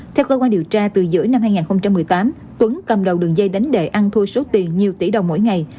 theo cơ quan điều tra từ giữa năm hai nghìn một mươi tám tuấn cầm đầu đường dây đánh đề ăn thua số tiền nhiều tỷ đồng mỗi ngày